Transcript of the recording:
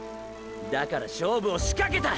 だから勝負をしかけた！！